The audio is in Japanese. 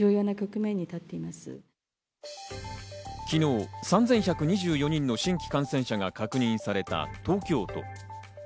昨日３１２４人の新規感染者が確認された東京都。